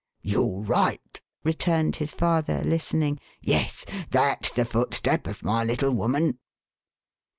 " You're right !"" returned his father, listening. " Yes, that's the footstep of my little woman."